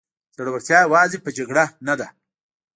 زړورتیا یوازې په جګړه نه ده.